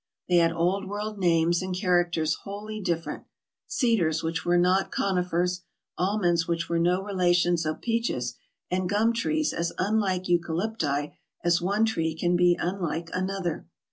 They had Old World names and characters wholly different ; cedars which were not conifers, almonds which were no relations of peaches, and gum trees as unlike eucalypti as one tree can be unlike another.